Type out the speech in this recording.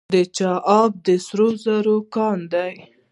د چاه اب د سرو زرو کان دی